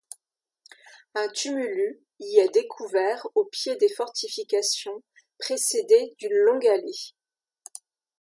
Un tumulus y est découvert au pied des fortifications, précédé d'une longue allée.